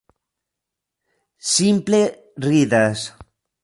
Simple ridas!